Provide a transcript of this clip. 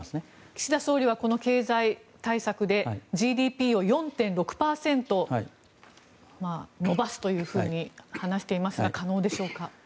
岸田総理はこの経済対策でＧＤＰを４．６％伸ばすと話していますが可能でしょうか。